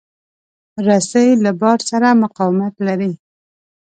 رسۍ له بار سره مقاومت لري.